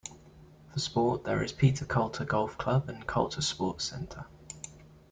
For sport, there is Peterculter Golf Club and Culter Sports Centre.